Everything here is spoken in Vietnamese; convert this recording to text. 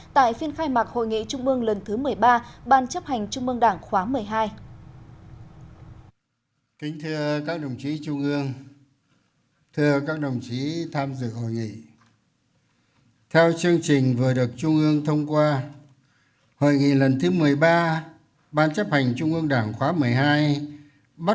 tại phiên khai mạc hội nghị trung ương lần thứ một mươi ba ban chấp hành trung ương đảng khóa một mươi hai